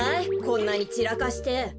こんなにちらかして。